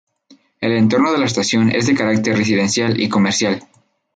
El entorno de la estación es de carácter residencial y comercial.